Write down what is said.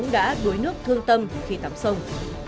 đuối nước thương tâm khi tắm sông